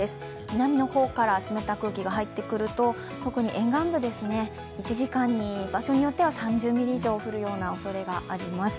南の方から湿った空気が入ってくると、特に沿岸部、１時間に場所によっては３０ミリ以上降るような場所があります。